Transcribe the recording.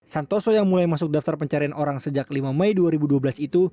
santoso yang mulai masuk daftar pencarian orang sejak lima mei dua ribu dua belas itu